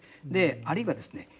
あるいはですね